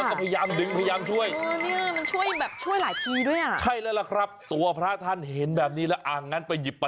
จริงท่านเองตั้งใจจะแค่เคาะครั้งนั้นแต่ก็คงจะเคาะแรงไปหน่อย